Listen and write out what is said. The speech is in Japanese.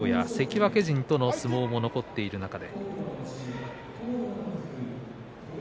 まだ貴景勝や関脇陣との相撲も残っている中で。